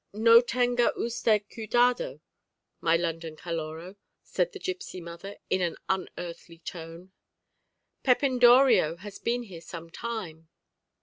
"No tenga usted cuidado, my London Caloró," said the gipsy mother in an unearthly tone; "Pepindorio has been here some time."